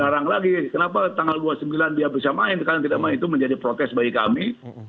sekarang lagi kenapa tanggal dua puluh sembilan dia bisa main karena tidak main itu menjadi protes bagi kami